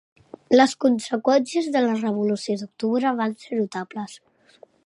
Les conseqüències de la revolució d'octubre van ser notables.